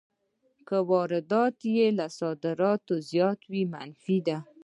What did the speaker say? که واردات یې له صادراتو زیات وي منفي ده